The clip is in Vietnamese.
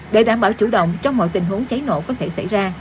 để đảm bảo chủ động trong mọi tình huống cháy nổ có thể xảy ra